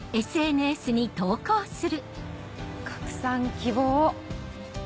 「拡散希望」。